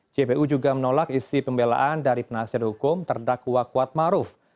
jpu juga menolak isi pembelaan dari penasihat hukum terdakwa kuatmaruf